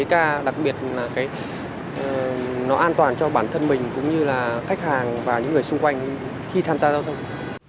ca đặc biệt là nó an toàn cho bản thân mình cũng như là khách hàng và những người xung quanh khi tham gia giao thông